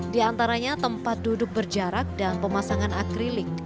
di antaranya tempat duduk berjarak dan pemasangan akrilik